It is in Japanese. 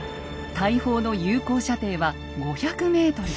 大砲の有効射程は５００ｍ。